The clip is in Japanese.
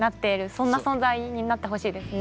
そんな存在になってほしいですね。